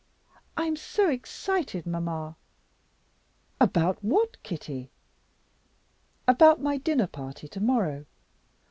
"I'm so excited, mamma." "About what, Kitty?" "About my dinner party to morrow.